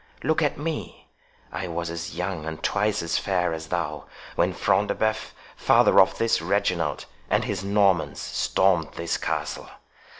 Look at me—I was as young and twice as fair as thou, when Front de Bœuf, father of this Reginald, and his Normans, stormed this castle.